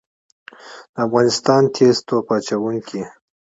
د افغانستان تیز توپ اچوونکي